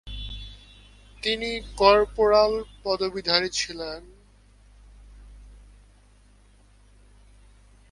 তিনি কর্পোরাল পদবীধারী ছিলেন।